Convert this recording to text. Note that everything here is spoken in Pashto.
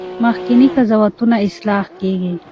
مخکني قضاوتونه اصلاح کیږي.